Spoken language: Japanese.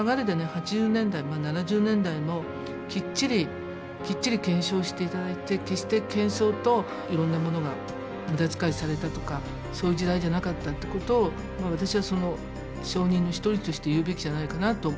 ８０年代７０年代もきっちり検証していただいて決してけん騒といろんなものが無駄遣いされたとかそういう時代じゃなかったってことを私はその証人の一人として言うべきじゃないかなと。